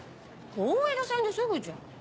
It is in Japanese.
大江戸線ですぐじゃん。